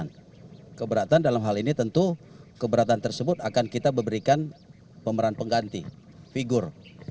dan keberatan dalam hal ini tentu keberatan tersebut akan kita berikan pemeran pengganti figur